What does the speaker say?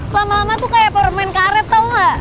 lama lama tuh kayak permen karet tau gak